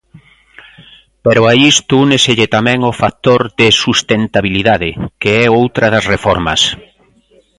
Pero a isto úneselle tamén o factor de sustentabilidade, que é outra das reformas.